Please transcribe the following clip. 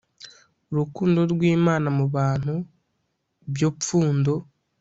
urukundo rw Imana mu Bantu byo pfundo